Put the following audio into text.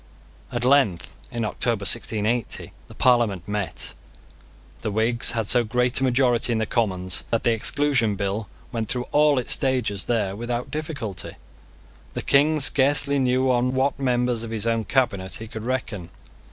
At length, in October 1680, the Parliament met. The Whigs had so great a majority in the Commons that the Exclusion Bill went through all its stages there without difficulty. The King scarcely knew on what members of his own cabinet he could reckon.